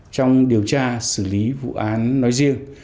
trong điều tra xử lý vụ án nói riêng